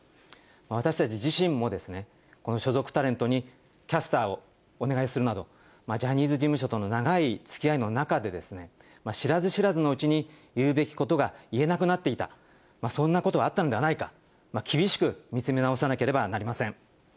私たち自身もこの所属タレントにキャスターをお願いするなど、ジャニーズ事務所との長いつきあいの中で、知らず知らずのうちに、言うべきことが言えなくなっていた、そんなことがあったのではないか、厳しく見つめ直さなければなりません。